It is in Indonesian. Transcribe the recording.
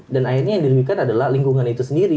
dan akhirnya yang diribukan adalah lingkungan itu sendiri